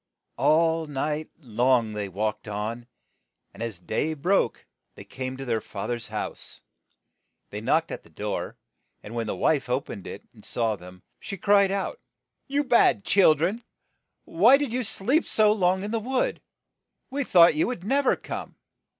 All night long they walked on, and as day broke they came to their fath er's house. They knocked at the door, and when the wife o pened it, and saw them, she cried out, "You bad chil dren, why did you sleep so long in the wood ? We thought you would nev er come